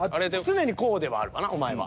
常にこうではあるわなお前は。